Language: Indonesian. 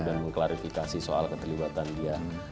dan mengklarifikasi soal keterlibatan dia